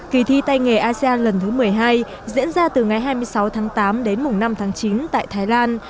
kỳ thi tay nghề asean lần thứ một mươi hai diễn ra từ ngày hai mươi sáu tháng tám đến mùng năm tháng chín tại thái lan